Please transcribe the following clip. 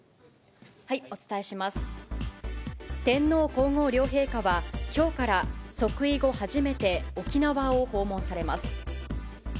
天皇皇后両陛下はきょうから即位後初めて、沖縄を訪問されます。